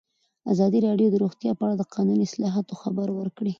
ازادي راډیو د روغتیا په اړه د قانوني اصلاحاتو خبر ورکړی.